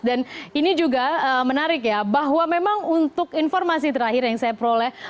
dan ini juga menarik ya bahwa memang untuk informasi terakhir yang saya peroleh